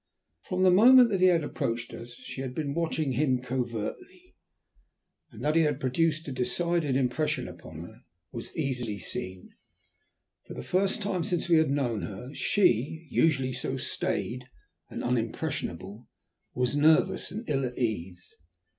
From the moment that he had approached us she had been watching him covertly, and that he had produced a decided impression upon her was easily seen. For the first time since we had known her she, usually so staid and unimpressionable, was nervous and ill at ease.